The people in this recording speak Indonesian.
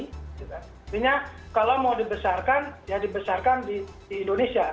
artinya kalau mau dibesarkan ya dibesarkan di indonesia